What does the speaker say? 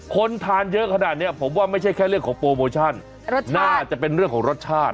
คนทานเยอะขนาดนี้ผมว่าไม่ใช่แค่เรื่องของโปรโมชั่นน่าจะเป็นเรื่องของรสชาติ